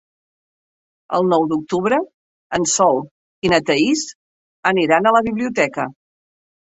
El nou d'octubre en Sol i na Thaís aniran a la biblioteca.